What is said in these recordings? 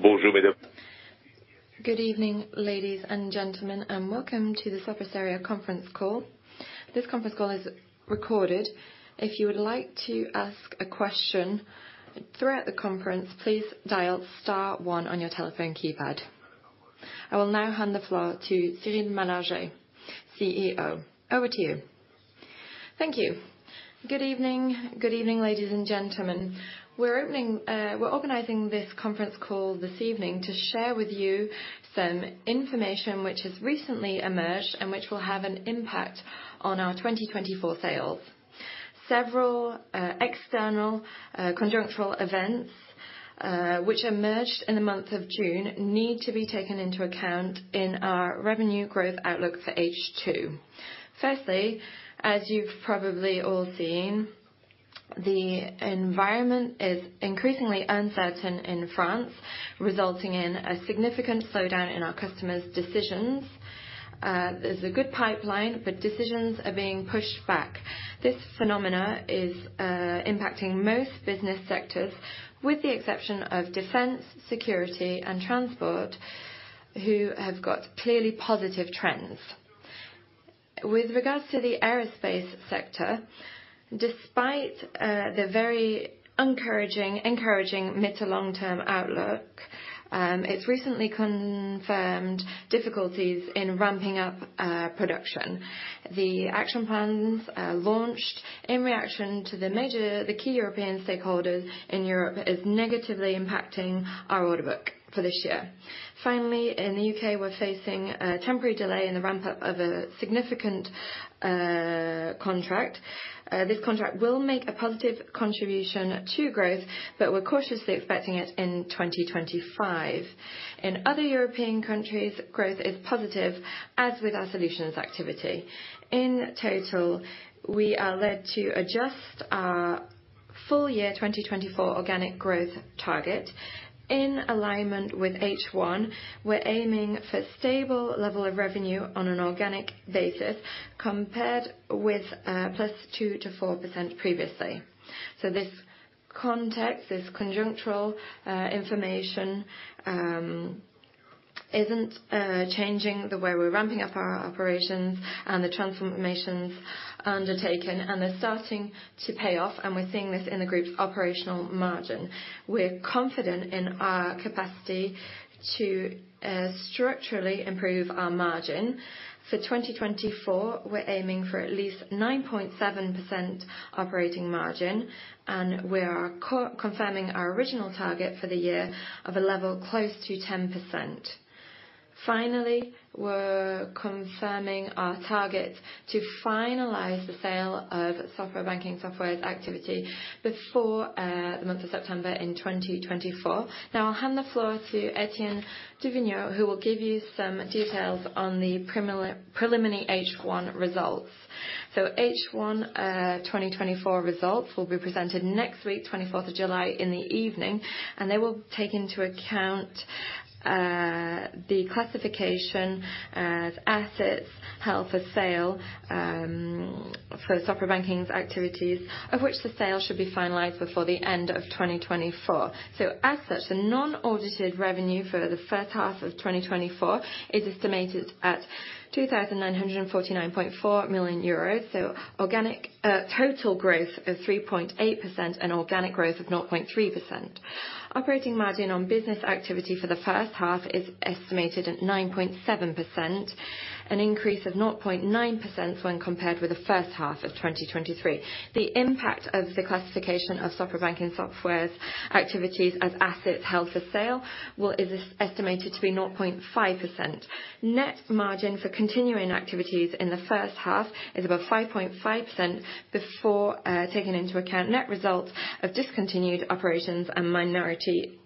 Good evening, ladies and gentlemen, and welcome to the Sopra Steria conference call. This conference call is recorded. If you would like to ask a question throughout the conference, please dial star one on your telephone keypad. I will now hand the floor to Cyril Malargé, CEO. Over to you. Thank you. Good evening. Good evening, ladies and gentlemen. We're opening, we're organizing this conference call this evening to share with you some information which has recently emerged and which will have an impact on our 2024 sales. Several, external, conjunctural events, which emerged in the month of June, need to be taken into account in our revenue growth outlook for H2. Firstly, as you've probably all seen, the environment is increasingly uncertain in France, resulting in a significant slowdown in our customers' decisions. There's a good pipeline, but decisions are being pushed back. This phenomenon is impacting most business sectors, with the exception of defense, security, and transport, who have got clearly positive trends. With regards to the aerospace sector, despite the very encouraging mid- to long-term outlook, it's recently confirmed difficulties in ramping up production. The action plans launched in reaction to the key European stakeholders in Europe is negatively impacting our order book for this year. Finally, in the UK, we're facing a temporary delay in the ramp-up of a significant contract. This contract will make a positive contribution to growth, but we're cautiously expecting it in 2025. In other European countries, growth is positive, as with our solutions activity. In total, we are led to adjust our full year 2024 organic growth target. In alignment with H1, we're aiming for stable level of revenue on an organic basis compared with +2%-4% previously. So this context, this conjunctural information, isn't changing the way we're ramping up our operations and the transformations undertaken, and they're starting to pay off, and we're seeing this in the group's operational margin. We're confident in our capacity to structurally improve our margin. For 2024, we're aiming for at least 9.7% operating margin, and we are confirming our original target for the year of a level close to 10%. Finally, we're confirming our target to finalize the sale of Sopra Banking Software's activity before the month of September in 2024. Now, I'll hand the floor to Étienne du Vignaux, who will give you some details on the preliminary H1 results. So H1 2024 results will be presented next week, July 24 in the evening, and they will take into account the classification as assets held for sale for Sopra Banking Software's activities, of which the sale should be finalized before the end of 2024. So as such, the unaudited revenue for the first half of 2024 is estimated at 2,949.4 million euros. So organic total growth of 3.8% and organic growth of 0.3%. Operating margin on business activity for the first half is estimated at 9.7%, an increase of 0.9% when compared with the first half of 2023. The impact of the classification of Sopra Banking Software's activities as assets held for sale is estimated to be 0.5%. Net margin for continuing activities in the first half is about 5.5%, before taking into account net results of discontinued operations and minority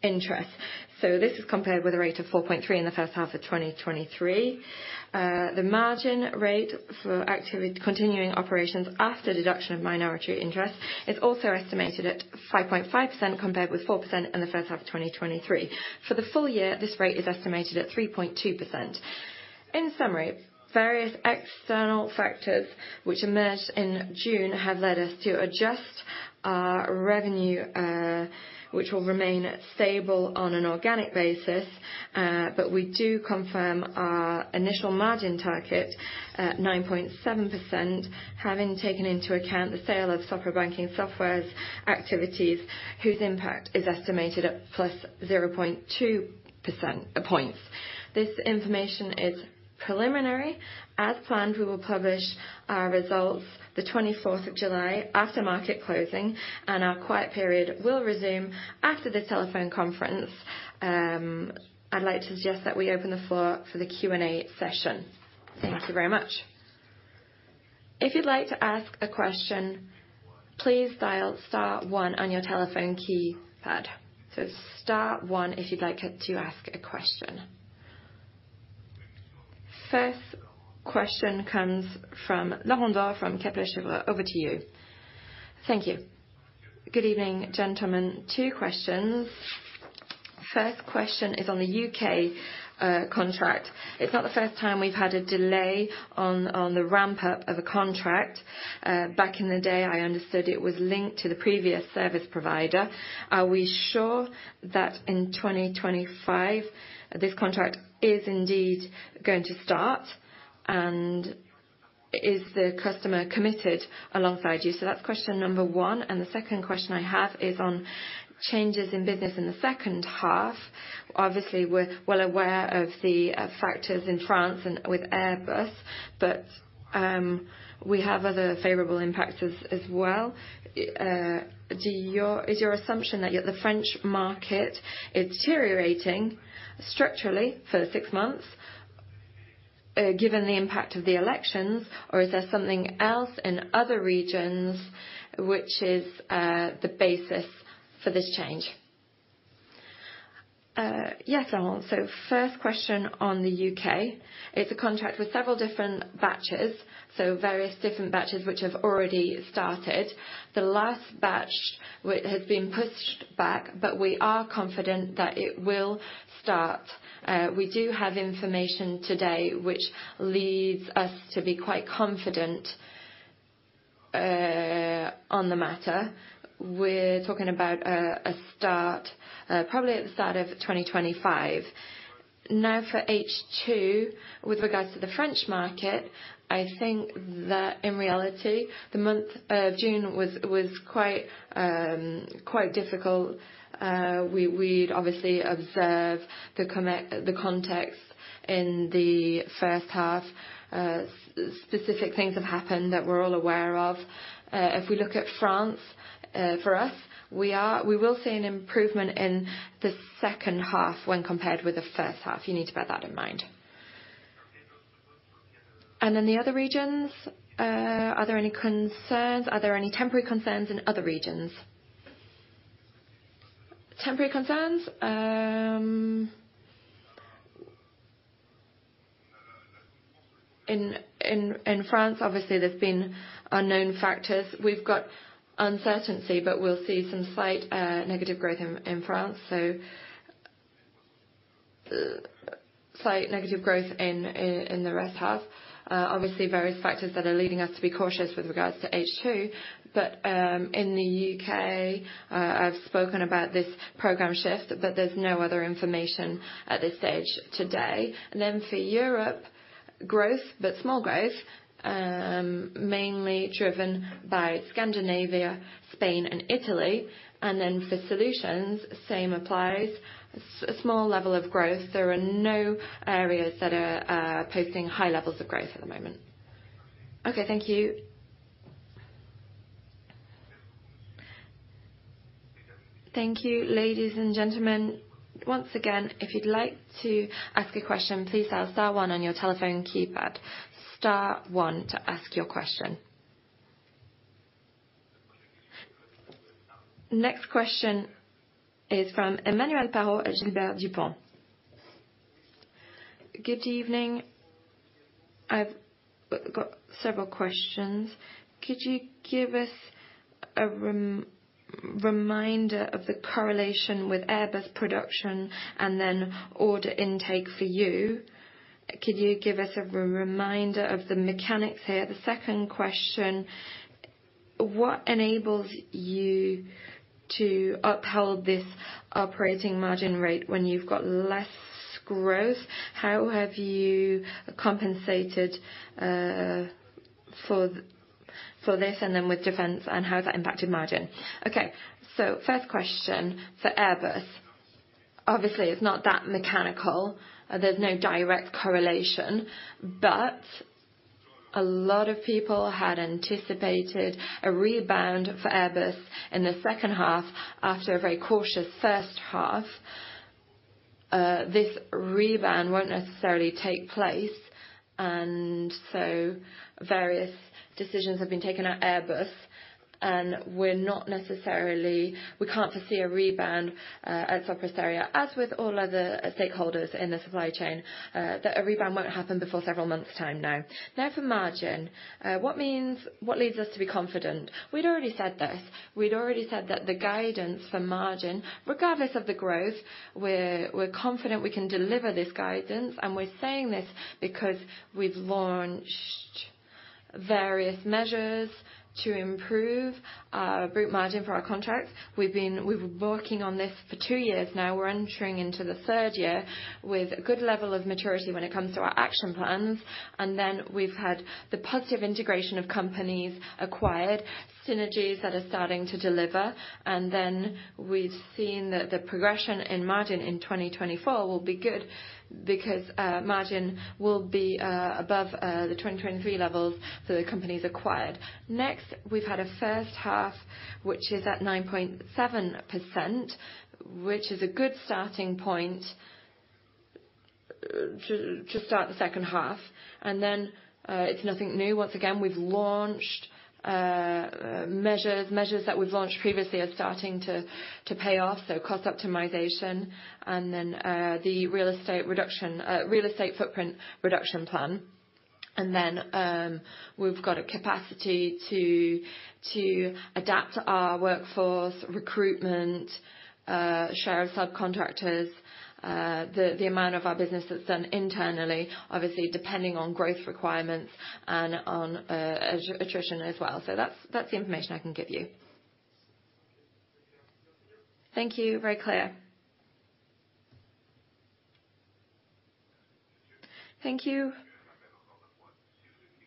interest. This is compared with a rate of 4.3% in the first half of 2023. The margin rate for activity continuing operations after deduction of minority interest is also estimated at 5.5%, compared with 4% in the first half of 2023. For the full year, this rate is estimated at 3.2%. In summary, various external factors which emerged in June have led us to adjust our revenue, which will remain stable on an organic basis, but we do confirm our initial margin target at 9.7%, having taken into account the sale of Sopra Banking Software's activities, whose impact is estimated at +0.2 percentage points. This information is preliminary. As planned, we will publish our results the twenty-fourth of July after market closing, and our quiet period will resume after the telephone conference. I'd like to suggest that we open the floor for the Q&A session. Thank you very much. If you'd like to ask a question, please dial star one on your telephone keypad. So star one if you'd like to ask a question. First question comes from Laurent Daure from Kepler Cheuvreux. Over to you. Thank you. Good evening, gentlemen. Two questions.... First question is on the U.K. contract. It's not the first time we've had a delay on the ramp-up of a contract. Back in the day, I understood it was linked to the previous service provider. Are we sure that in 2025, this contract is indeed going to start? And is the customer committed alongside you? So that's question number one. And the second question I have is on changes in business in the second half. Obviously, we're well aware of the factors in France and with Airbus, but we have other favorable impacts as well. Do your-- is your assumption that the French market is deteriorating structurally for six months, given the impact of the elections, or is there something else in other regions which is the basis for this change? Yes, Laurent. So first question on the UK, it's a contract with several different batches, so various different batches which have already started. The last batch, which has been pushed back, but we are confident that it will start. We do have information today which leads us to be quite confident on the matter. We're talking about a start probably at the start of 2025. Now, for H2, with regards to the French market, I think that in reality, the month of June was quite difficult. We'd obviously observe the context in the first half. Specific things have happened that we're all aware of. If we look at France, for us, we will see an improvement in the second half when compared with the first half. You need to bear that in mind. And then the other regions, are there any concerns? Are there any temporary concerns in other regions? Temporary concerns? In France, obviously, there's been unknown factors. We've got uncertainty, but we'll see some slight, negative growth in France, so slight negative growth in the second half. Obviously, various factors that are leading us to be cautious with regards to H2. But in the UK, I've spoken about this program shift, but there's no other information at this stage today. And then for Europe, growth, but small growth, mainly driven by Scandinavia, Spain, and Italy. And then for solutions, same applies, a small level of growth. There are no areas that are posting high levels of growth at the moment. Okay, thank you. Thank you, ladies and gentlemen. Once again, if you'd like to ask a question, please dial star one on your telephone keypad. Star one to ask your question. Next question is from Emmanuel Parot at Gilbert Dupont. Good evening. I've got several questions. Could you give us a reminder of the correlation with Airbus production and then order intake for you? Could you give us a reminder of the mechanics here? The second question: What enables you to uphold this operating margin rate when you've got less growth? How have you compensated for this, and then with defense, and how has that impacted margin? Okay, so first question for Airbus. Obviously, it's not that mechanical. There's no direct correlation, but a lot of people had anticipated a rebound for Airbus in the second half after a very cautious first half. This rebound won't necessarily take place, and so various decisions have been taken at Airbus, and we're not necessarily, we can't foresee a rebound at Sopra Steria, as with all other stakeholders in the supply chain, that a rebound won't happen before several months' time now. Now, for margin, what means, what leads us to be confident? We'd already said this. We'd already said that the guidance for margin, regardless of the growth, we're confident we can deliver this guidance, and we're saying this because we've launched various measures to improve gross margin for our contracts. We've been working on this for two years now. We're entering into the third year with a good level of maturity when it comes to our action plans. And then we've had the positive integration of companies acquired, synergies that are starting to deliver. And then we've seen that the progression in margin in 2024 will be good because margin will be above the 2023 levels for the companies acquired. Next, we've had a first half, which is at 9.7%, which is a good starting point to start the second half. And then it's nothing new. Once again, we've launched measures. Measures that we've launched previously are starting to pay off, so cost optimization, and then the real estate reduction, real estate footprint reduction plan. And then we've got a capacity to adapt our workforce, recruitment, share of subcontractors, the amount of our business that's done internally, obviously, depending on growth requirements and on attrition as well. So that's the information I can give you. Thank you. Very clear. Thank you.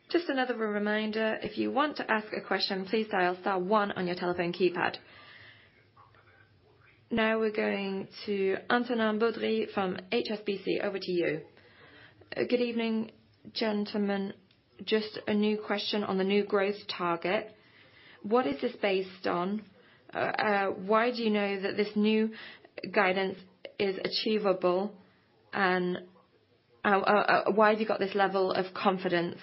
Just another reminder, if you want to ask a question, please dial star one on your telephone keypad. Now we're going to Antonin Baudry from HSBC. Over to you. Good evening, gentlemen. Just a new question on the new growth target. What is this based on? Why do you know that this new guidance is achievable? And why have you got this level of confidence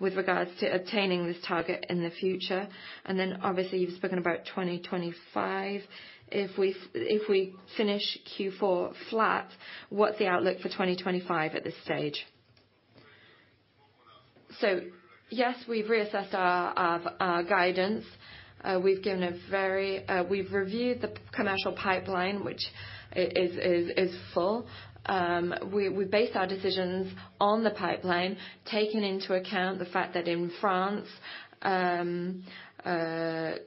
with regards to obtaining this target in the future? And then, obviously, you've spoken about 2025. If we finish Q4 flat, what's the outlook for 2025 at this stage? So, yes, we've reassessed our guidance. We've reviewed the commercial pipeline, which is full. We based our decisions on the pipeline, taking into account the fact that in France,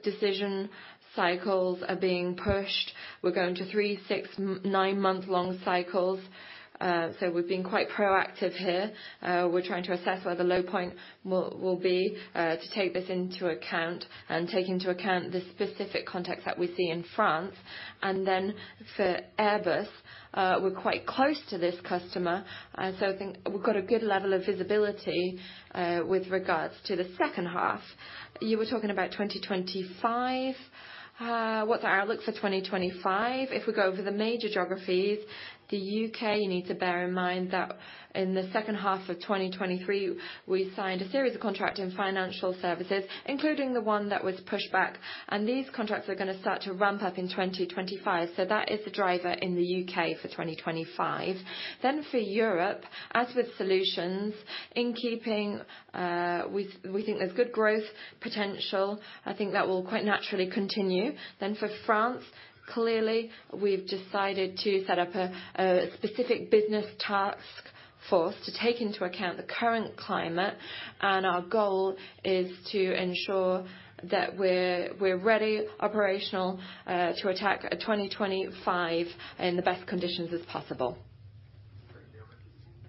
decision cycles are being pushed. We're going to 3, 6, 9-month long cycles. So we've been quite proactive here. We're trying to assess where the low point will be, to take this into account and take into account the specific context that we see in France. And then for Airbus, we're quite close to this customer, so I think we've got a good level of visibility, with regards to the second half. You were talking about 2025. What's our outlook for 2025? If we go over the major geographies, the UK, you need to bear in mind that in the second half of 2023, we signed a series of contracts in financial services, including the one that was pushed back, and these contracts are gonna start to ramp up in 2025. So that is the driver in the UK for 2025. Then for Europe, as with solutions, in keeping, we think there's good growth potential. I think that will quite naturally continue. Then for France, clearly, we've decided to set up a specific business task force to take into account the current climate, and our goal is to ensure that we're ready, operational, to attack 2025 in the best conditions as possible.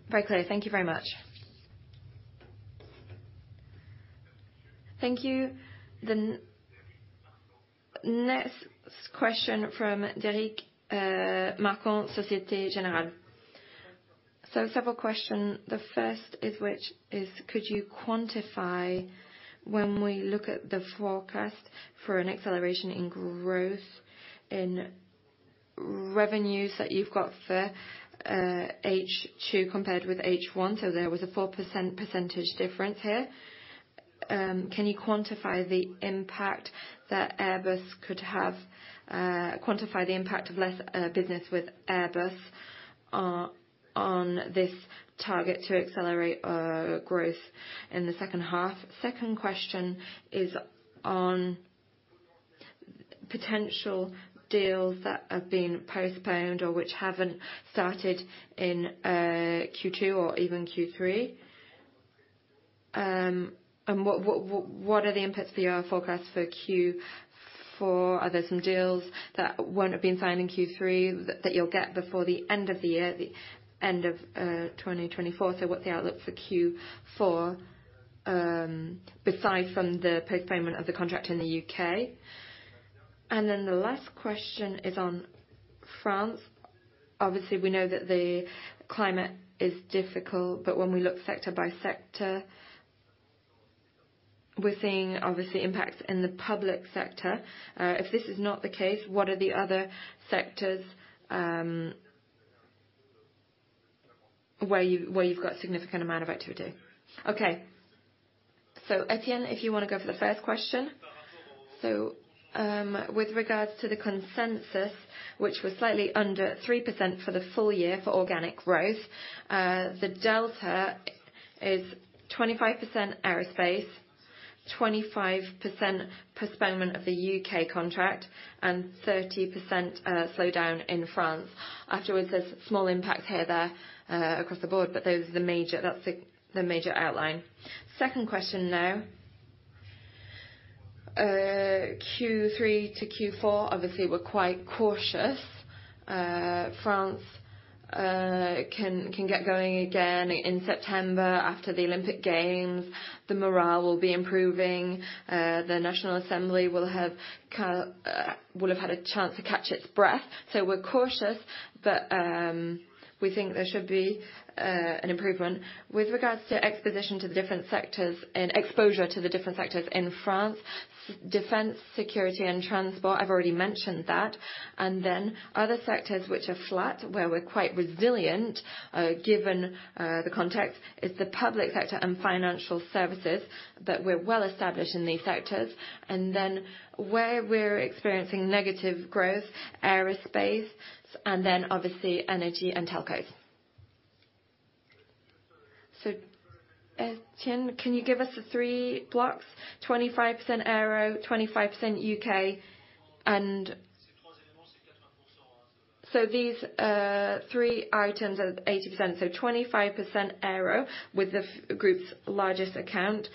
Very clear. Thank you very much. Thank you. The next question from Derric Marcon, Société Générale. Several questions. The first is, could you quantify when we look at the forecast for an acceleration in growth in revenues that you've got for H2 compared with H1? There was a 4% percentage difference here. Can you quantify the impact that Airbus could have, quantify the impact of less business with Airbus on this target to accelerate growth in the second half? Second question is on potential deals that have been postponed or which haven't started in Q2 or even Q3. And what are the impacts for your forecast for Q4? Are there some deals that won't have been signed in Q3 that you'll get before the end of the year, the end of 2024? So what's the outlook for Q4, besides from the postponement of the contract in the UK? And then the last question is on France. Obviously, we know that the climate is difficult, but when we look sector by sector, we're seeing, obviously, impacts in the public sector. If this is not the case, what are the other sectors, where you, where you've got a significant amount of activity? Okay. So, Étienne, if you want to go for the first question. So, with regards to the consensus, which was slightly under 3% for the full year for organic growth, the delta is 25% aerospace, 25% postponement of the UK contract, and 30%, slowdown in France. Afterwards, there's small impacts here and there, across the board, but those are the major-- that's the major outline. Second question now. Q3 to Q4, obviously, we're quite cautious. France can get going again in September after the Olympic Games. The morale will be improving. The National Assembly will have had a chance to catch its breath. So we're cautious, but we think there should be an improvement. With regards to exposure to the different sectors in France, defense, security, and transport, I've already mentioned that. And then other sectors which are flat, where we're quite resilient, given the context, is the public sector and financial services, that we're well established in these sectors. And then where we're experiencing negative growth, aerospace, and then obviously energy and telcos. So, Étienne, can you give us the three blocks? 25% Aero, 25% UK. So these three items are 80%. So 25% Aero, with the group's largest account,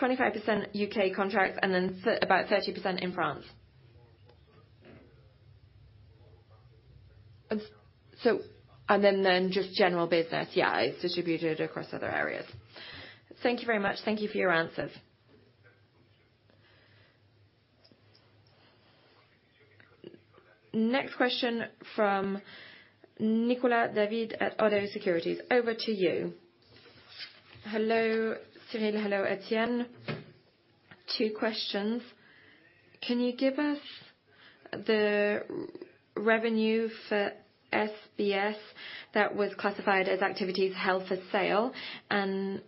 25% UK contracts, and then about 30% in France. So and then just general business, yeah, it's distributed across other areas. Thank you very much. Thank you for your answers. Next question from Nicolas David at ODDO BHF. Over to you. Hello, Cyril. Hello, Étienne. Two questions: Can you give us the revenue for SBS that was classified as assets held for sale? And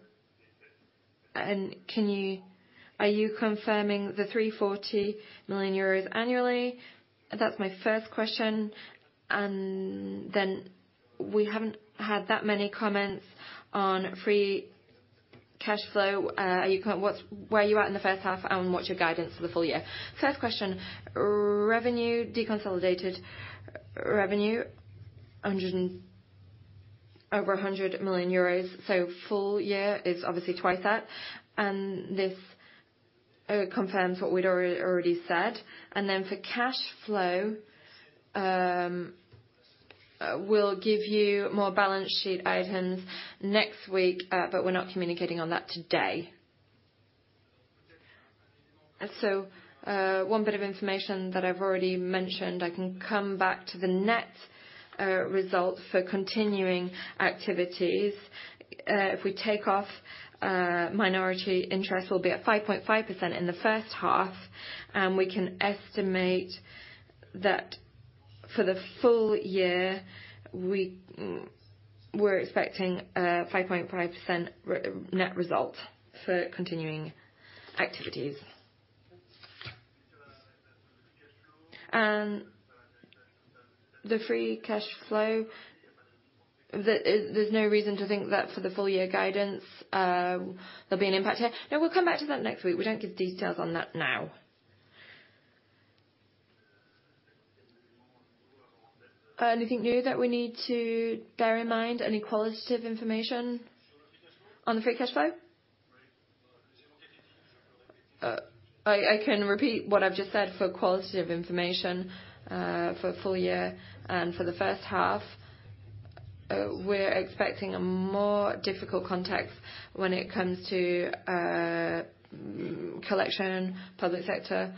are you confirming the 340 million euros annually? That's my first question. And then, we haven't had that many comments on free cash flow. Are you where are you at in the first half, and what's your guidance for the full year? First question, revenue, deconsolidated revenue, 100 and... Over 100 million euros, so full year is obviously twice that. This confirms what we'd already said. Then for cash flow, we'll give you more balance sheet items next week, but we're not communicating on that today. So, one bit of information that I've already mentioned, I can come back to the net result for continuing activities. If we take off minority interest, we'll be at 5.5% in the first half, and we can estimate that for the full year, we're expecting 5.5% net result for continuing activities. And the free cash flow, there's no reason to think that for the full year guidance, there'll be an impact here. No, we'll come back to that next week. We don't give details on that now. Anything new that we need to bear in mind, any qualitative information on the free cash flow? Right. I can repeat what I've just said for qualitative information, for full year and for the first half. We're expecting a more difficult context when it comes to collection, public sector.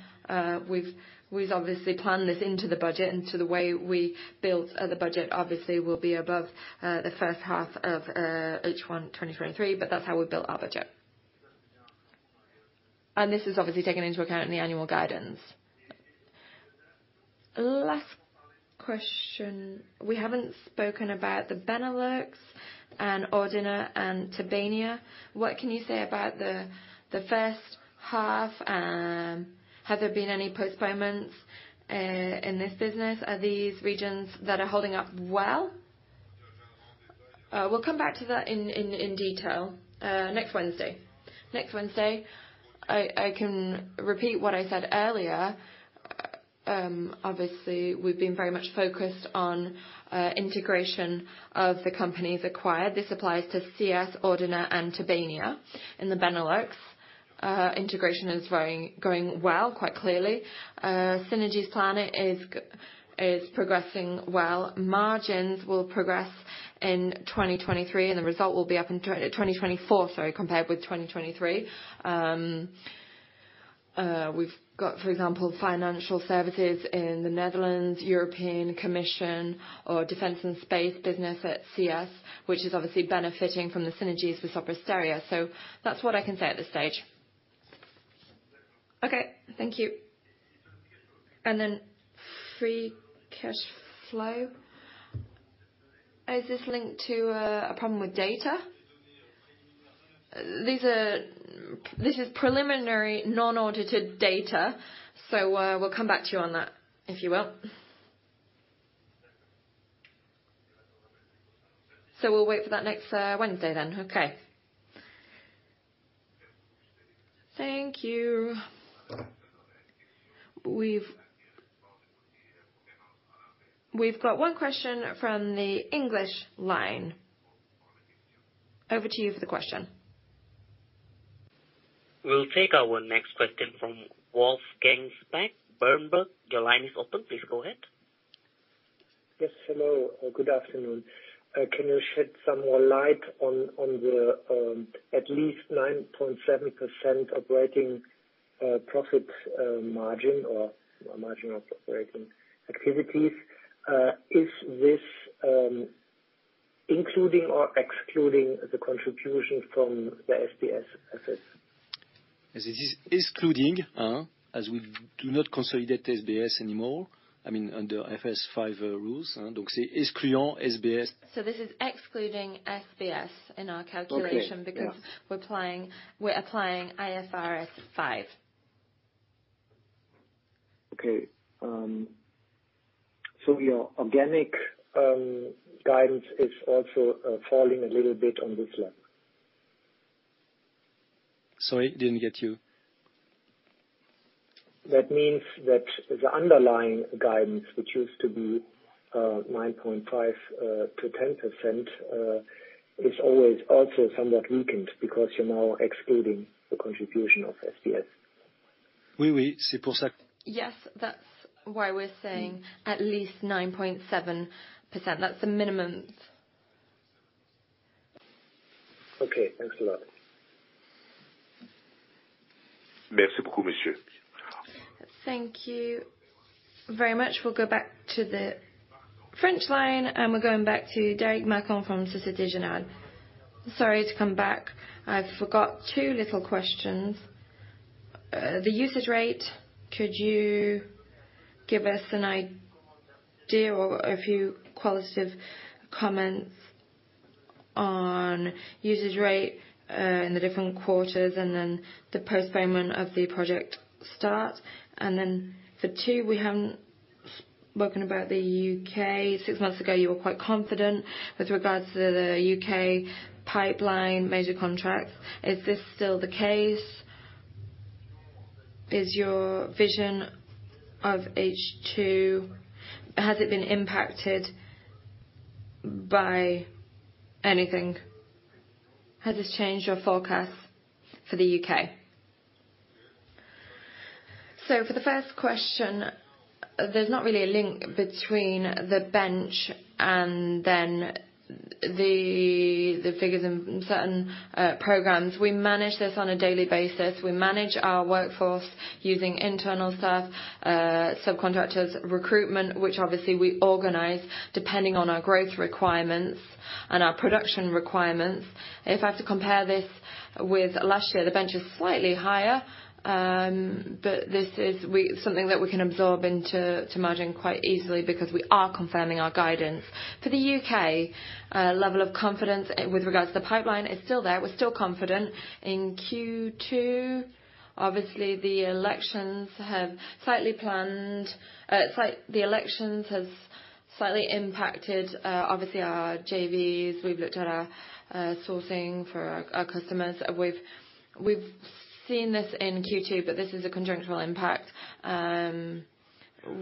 We've obviously planned this into the budget and to the way we built the budget obviously will be above the first half of H1 2023, but that's how we built our budget. And this is obviously taken into account in the annual guidance. Last question. We haven't spoken about the Benelux and Ordina and Tobania. What can you say about the first half, and have there been any postponements in this business? Are these regions that are holding up well? We'll come back to that in detail next Wednesday. Next Wednesday. I can repeat what I said earlier. Obviously, we've been very much focused on integration of the companies acquired. This applies to CS, Ordina, and Tobania in the Benelux. Integration is going well, quite clearly. Synergies plan is progressing well. Margins will progress in 2023, and the result will be up in 2024, sorry, compared with 2023. We've got, for example, financial services in the Netherlands, European Commission, or defense and space business at CS, which is obviously benefiting from the synergies with Sopra Steria. So that's what I can say at this stage. Okay, thank you. And then free cash flow. Is this linked to a problem with data? These are... This is preliminary, non-audited data, so, we'll come back to you on that, if you will. So we'll wait for that next Wednesday then. Okay. Thank you. We've got one question from the English line. Over to you for the question. We'll take our next question from Wolfgang Specht, Berenberg. Your line is open. Please go ahead. Yes, hello, good afternoon. Can you shed some more light on the at least 9.7% operating profit margin or margin of operating activities? Is this including or excluding the contribution from the SBS assets? This is excluding, as we do not consolidate SBS anymore, I mean, under IFRS 5 rules. Donc c'est excluant SBS. So this is excluding SBS in our calculation- Okay, yeah. because we're applying IFRS 5.... Okay, so your organic guidance is also falling a little bit on this lap? Sorry, didn't get you. That means that the underlying guidance, which used to be 9.5%-10%, is always also somewhat weakened because you're now excluding the contribution of SBS. Oui, oui. Yes, that's why we're saying at least 9.7%. That's the minimum. Okay. Thanks a lot. Thank you very much. We'll go back to the French line, and we're going back to Derric Marcon from Société Générale. Sorry to come back. I forgot two little questions. The usage rate, could you give us an idea or a few qualitative comments on usage rate in the different quarters and then the postponement of the project start? And then for two, we haven't spoken about the UK. Six months ago you were quite confident with regards to the UK pipeline major contracts. Is this still the case? Is your vision of H2, has it been impacted by anything? Has this changed your forecast for the UK? So for the first question, there's not really a link between the bench and then the figures in certain programs. We manage this on a daily basis. We manage our workforce using internal staff, subcontractors, recruitment, which obviously we organize depending on our growth requirements and our production requirements. If I have to compare this with last year, the bench is slightly higher, but this is something that we can absorb into, to margin quite easily because we are confirming our guidance. For the U.K., level of confidence with regards to the pipeline is still there. We're still confident. In Q2, obviously, the elections have slightly planned, the elections has slightly impacted, obviously our JVs. We've looked at our sourcing for our customers. We've seen this in Q2, but this is a conjunctural impact.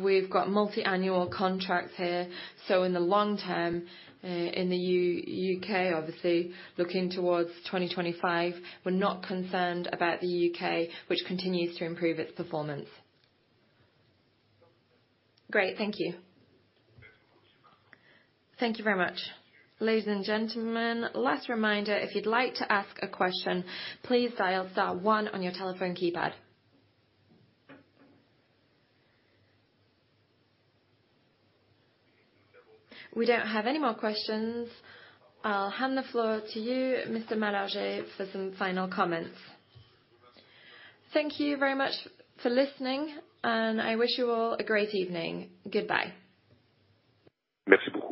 We've got multi-annual contracts here, so in the long term, in the U.K., obviously, looking towards 2025, we're not concerned about the U.K., which continues to improve its performance. Great, thank you. Thank you very much. Ladies and gentlemen, last reminder, if you'd like to ask a question, please dial star one on your telephone keypad. We don't have any more questions. I'll hand the floor to you, Mr. Malargé, for some final comments. Thank you very much for listening, and I wish you all a great evening. Goodbye. Merci beaucoup.